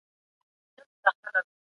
غریبان ستاسو په مال کي برخه لري.